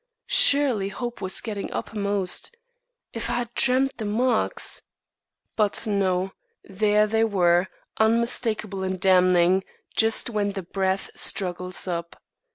Surely hope was getting uppermost. If I had dreamed the marks But no! There they were, unmistakable and damning, just where the breath struggles up.